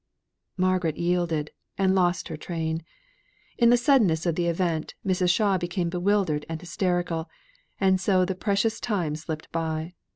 Margaret yielded, and lost her train. In the suddenness of the event, Mrs. Shaw became bewildered and hysterical, and so the precious time slipped by.